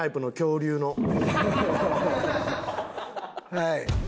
はい。